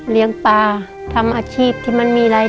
เลี้ยงปลาทำอาชีพที่มันมีอะไรบ้าง